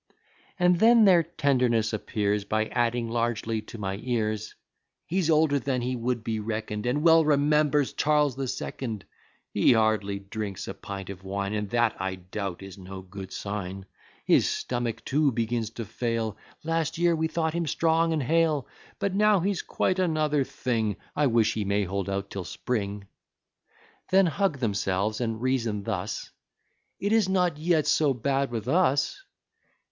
And then their tenderness appears, By adding largely to my years; "He's older than he would be reckon'd, And well remembers Charles the Second. He hardly drinks a pint of wine; And that, I doubt, is no good sign. His stomach too begins to fail: Last year we thought him strong and hale; But now he's quite another thing: I wish he may hold out till spring!" Then hug themselves, and reason thus: "It is not yet so bad with us!"